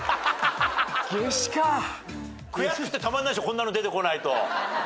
こんなの出てこないと。